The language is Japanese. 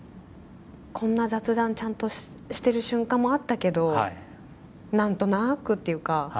こんな雑談ちゃんとしてる瞬間もあったけど何となくっていうか。